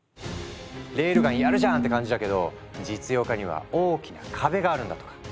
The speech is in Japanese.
「レールガンやるじゃん！」って感じだけど実用化には大きな壁があるんだとか。